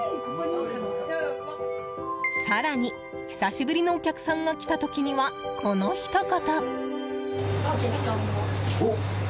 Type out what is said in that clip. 更に、久しぶりのお客さんが来た時には、このひと言。